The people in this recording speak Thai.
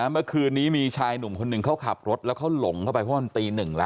เมื่อคืนนี้มีชายหนุ่มคนหนึ่งเขาขับรถแล้วเขาหลงเข้าไปเพราะมันตีหนึ่งแล้ว